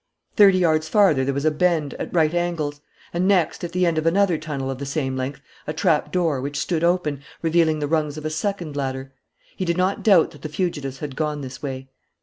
Thirty yards farther there was a bend, at right angles; and next, at the end of another tunnel of the same length, a trapdoor, which stood open, revealing the rungs of a second ladder. He did not doubt that the fugitives had gone this way.